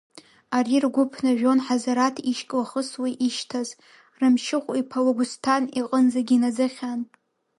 Ари ргәы ԥнажәон Ҳазараҭ ишьклахысуа ишьҭаз, Рамшьыхә иԥа Лагәсҭан иҟынӡагьы инаӡахьан.